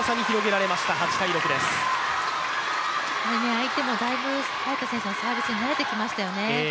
相手もだいぶ早田選手のサービスに慣れてきましたよね。